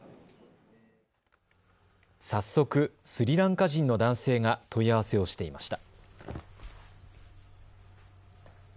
早速、スリランカ人の男性が問い合わせをしていました。